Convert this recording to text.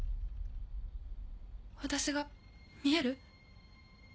私が見える？